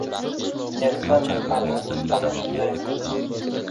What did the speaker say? Derazadan tashqarini tomosha qilyapman.